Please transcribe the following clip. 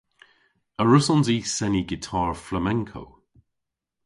A wrussons i seni gitar flamenco?